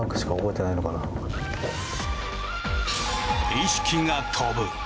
意識が飛ぶ。